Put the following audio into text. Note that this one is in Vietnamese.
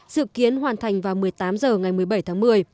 dự kiến hoàn thành vào một mươi tám h ngày một mươi bảy tháng một mươi